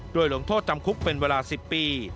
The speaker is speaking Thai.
โดยลงโทษจำคุกเป็นเวลา๑๐ปี